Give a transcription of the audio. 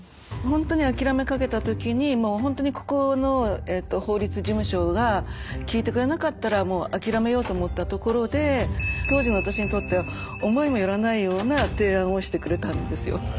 ほんとに諦めかけた時にほんとにここの法律事務所が聞いてくれなかったらもう諦めようと思ったところで当時の私にとっては思いもよらないような提案をしてくれたんですよ。